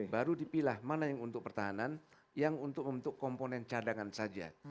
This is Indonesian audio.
baru dipilah mana yang untuk pertahanan yang untuk membentuk komponen cadangan saja